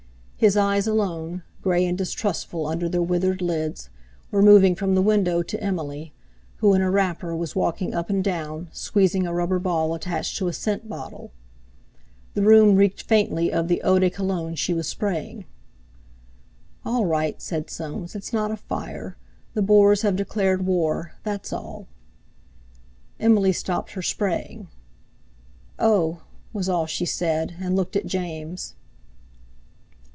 His eyes alone, grey and distrustful under their withered lids, were moving from the window to Emily, who in a wrapper was walking up and down, squeezing a rubber ball attached to a scent bottle. The room reeked faintly of the eau de Cologne she was spraying. "All right!" said Soames, "it's not a fire. The Boers have declared war—that's all." Emily stopped her spraying. "Oh!" was all she said, and looked at James.